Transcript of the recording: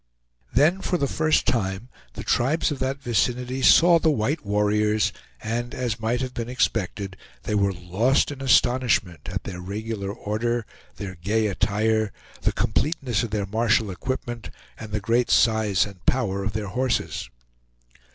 Then for the first time the tribes of that vicinity saw the white warriors, and, as might have been expected, they were lost in astonishment at their regular order, their gay attire, the completeness of their martial equipment, and the great size and power of their horses.